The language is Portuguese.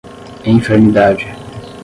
enfermidade